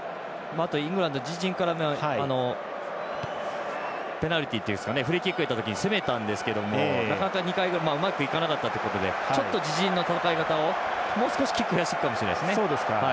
イングランド、自陣からペナルティというかフリーキックを得たときに攻めたんですけどなかなか２回目うまくいかなかったところでちょっと自陣の戦い方もう少しキック増やしたいですね。